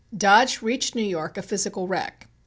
Dodge reached New York a physical wreck.